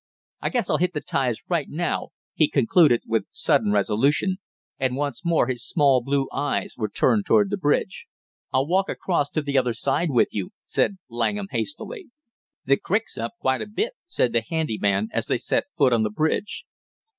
I guess I'll hit the ties right now!" he concluded with sudden resolution, and once more his small blue eyes were turned toward the bridge. "I'll walk across to the other side with you," said Langham hastily. "The crick's up quite a bit!" said the handy man as they set foot on the bridge.